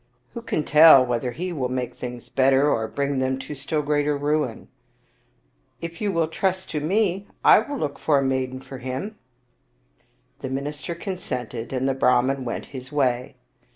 "" Who can tell whether he will make things better, or bring them to still greater ruin ?"" If you will trust to me, I will look for a maiden for him." The minister consented, and the Brahman went his way.